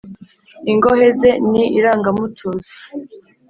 ingohe ze ni irangamutuzo,